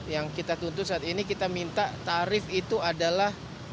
yang kita tuntut saat ini kita minta tarif itu adalah